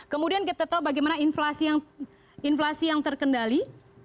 kemudian kita tahu bagaimana inflasi yang terkendali